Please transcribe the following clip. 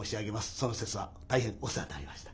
その節は大変お世話になりました。